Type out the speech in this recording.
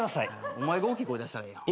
お前が大きい声出したらええやん。